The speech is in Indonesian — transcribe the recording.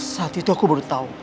saat itu aku baru tahu